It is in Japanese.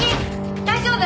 大丈夫？